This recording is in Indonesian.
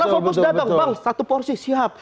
malah fokus dagang bang satu porsi siap